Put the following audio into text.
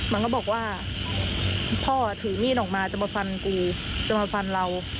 มันก็บอกว่าพ่อถือมีดออกมาจะมาฟันกูจะมาฟันเรา